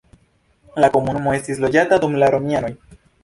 La komunumo estis loĝata dum la romianoj.